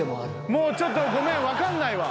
もうちょっとごめんわかんないわ。